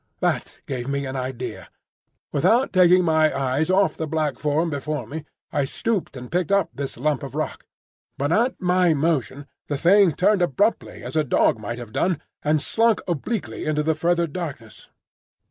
That gave me an idea. Without taking my eyes off the black form before me, I stooped and picked up this lump of rock; but at my motion the Thing turned abruptly as a dog might have done, and slunk obliquely into the further darkness.